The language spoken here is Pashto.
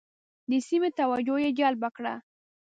د سیمې توجه یې جلب کړه.